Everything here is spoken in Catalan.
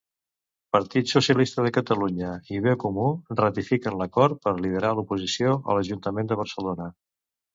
Partit Socialista de Catalunya i Bcomú ratifiquen l'acord per liderar l'oposició a l'Ajuntament de Barcelona.